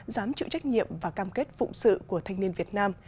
dám chịu trách nhiệm và cam kết phụng sự của thanh niên việt nam